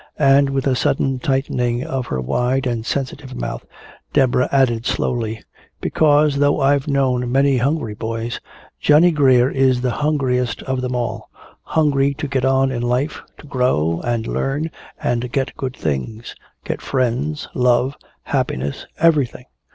And with a sudden tightening of her wide and sensitive mouth, Deborah added slowly, "Because, though I've known many hungry boys, Johnny Geer is the hungriest of them all hungry to get on in life, to grow and learn and get good things, get friends, love, happiness, everything!"